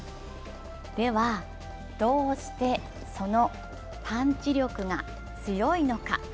では、どうしてそのパンチ力が強いのか。